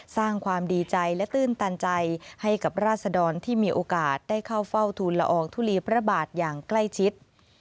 สร้างความดีใจและตื้นตันใจให้กับราศดรที่มีโอกาสได้เข้าเฝ้าทูลละอองทุลีพระบาทอย่างใกล้ชิด